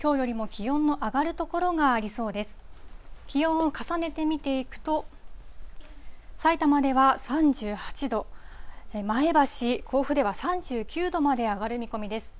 気温を重ねて見ていくと、さいたまでは３８度、前橋、甲府では３９度まで上がる見込みです。